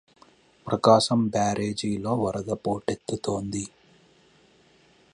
ప్రకాశం బ్యారేజిలోకి వరద పోటెత్తుతోంది